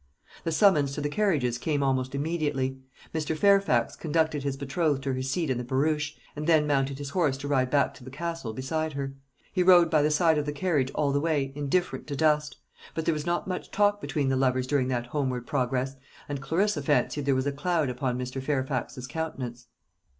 The summons to the carriages came almost immediately. Mr. Fairfax conducted his betrothed to her seat in the barouche, and then mounted his horse to ride back to the Castle beside her. He rode by the side of the carriage all the way, indifferent to dust; but there was not much talk between the lovers during that homeward progress, and Clarissa fancied there was a cloud upon Mr. Fairfax's countenance.